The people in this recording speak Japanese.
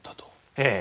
ええ。